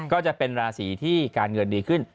ก็จะเป็นราศีที่การเงินดีขึ้น